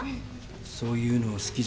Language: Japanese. そういうの好きじゃないから。